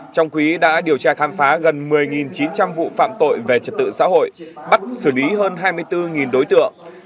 trong quý đã điều tra khám phá gần một mươi chín trăm linh vụ phạm tội về trật tự xã hội bắt xử lý hơn hai mươi bốn đối tượng